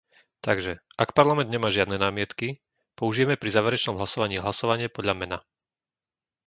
Takže, ak Parlament nemá žiadne námietky, použijeme pri záverečnom hlasovaní hlasovanie podľa mena.